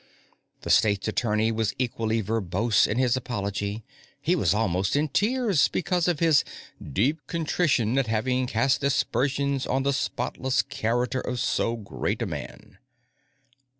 The State's Attorney was equally verbose in his apology; he was almost in tears because of his "deep contrition at having cast aspersions on the spotless character of so great a man."